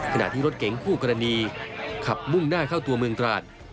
ขณะที่รถเก๋งคู่กรณีขับมุ่งหน้าเข้าตัวเมืองตราด